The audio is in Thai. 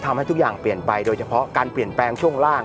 ทำให้ทุกอย่างเปลี่ยนไปโดยเฉพาะการเปลี่ยนแปลงช่วงล่าง